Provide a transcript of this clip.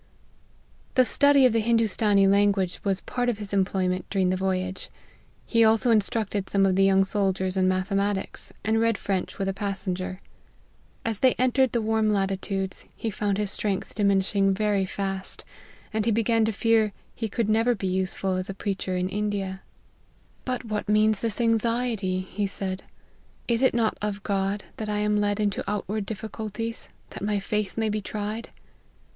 The study of the Hindoostanee language was part of his employment during the voyage. He also instructed some of the young soldiers in mathe matics, and read French with a passenger. As they entered the warm latitudes, he found his strength diminishing very fast, and he began to fear he could never be useful, as a preacher, in India. "But LIFE OF HENRY MARTYN. 57 what means this anxiety?" he said ;" Is it not of God that I am led into outward difficulties, that my faith may be tried?